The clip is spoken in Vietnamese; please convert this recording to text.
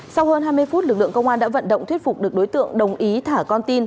sau hơn hai mươi phút lực lượng công an đã vận động thuyết phục được đối tượng đồng ý thả con tin